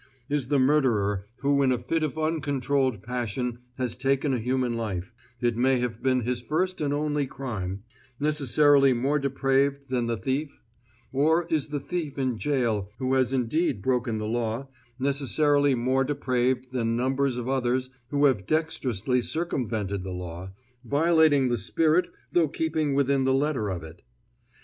Is the murderer who in a fit of uncontrolled passion has taken a human life it may have been his first and only crime necessarily more depraved than the thief; or is the thief in jail who has indeed broken the law, necessarily more depraved than numbers of others who have dexterously circumvented the law, violating the spirit though keeping within the letter of it?